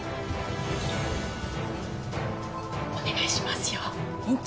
お願いしますよ院長！